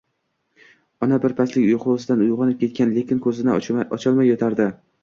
Ona birpaslik uyqusidan uyg‘onib ketgan, lekin ko‘zini ocholmay yotardi